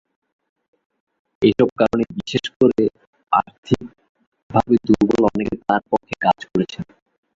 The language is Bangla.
এসব কারণে বিশেষ করে আর্থিকভাবে দুর্বল অনেকে তাঁর পক্ষে কাজ করেছেন।